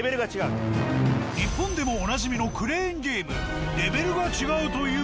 日本でもおなじみのクレーンゲーム。